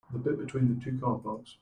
The bit between the two car parks?